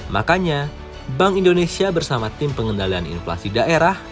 makanya bank indonesia bersama tim pengendalian inflasi daerah